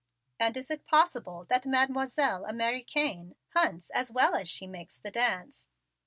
"And is it possible that Mademoiselle Americaine hunts as well as she makes the dance?"